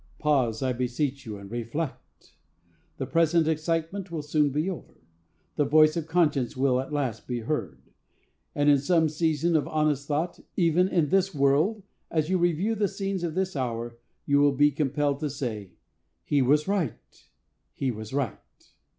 Pause, I beseech you, and reflect! The present excitement will soon be over; the voice of conscience will at last be heard. And in some season of honest thought, even in this world, as you review the scenes of this hour, you will be compelled to say, 'He was right; he was right.